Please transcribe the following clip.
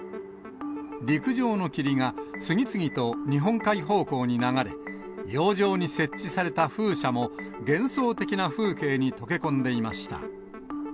陸上の霧が次々と日本海方向に流れ、洋上に設置された風車も幻想的な風景に溶け込んでいました。